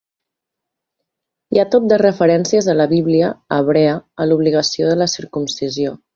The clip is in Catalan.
Hi ha tot de referències a la Bíblia hebrea a l'obligació de la circumcisió.